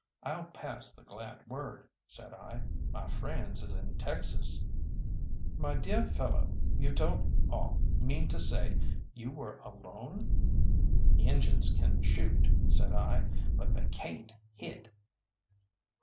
"I'll pass the glad word," said I. "My friends is in Texas." "My deah fellow, you don't aw mean to say you were alone?" "Injuns can shoot," said I, "but they cayn't hit."